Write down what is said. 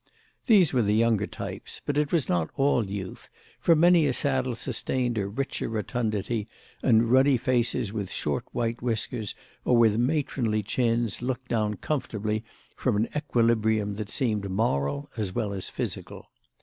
These were the younger types; but it was not all youth, for many a saddle sustained a richer rotundity, and ruddy faces with short white whiskers or with matronly chins looked down comfortably from an equilibrium that seemed moral as well as physical.